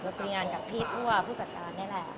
คุยงานกับพี่ตัวผู้จัดการนี่แหละ